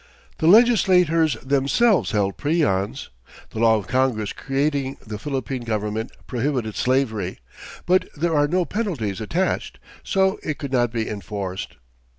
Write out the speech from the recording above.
The legislators themselves held peons. The law of Congress creating the Philippine Government prohibited slavery, but there are no penalties attached, so it could not be enforced.